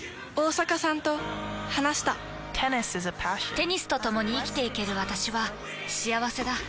テニスとともに生きていける私は幸せだ。